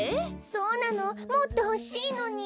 そうなのもっとほしいのに。